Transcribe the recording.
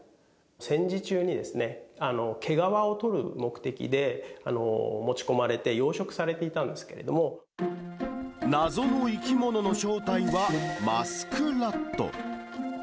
戦時中に毛皮をとる目的で、持ち込まれて、謎の生き物の正体は、マスクラット。